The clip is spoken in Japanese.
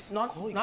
何？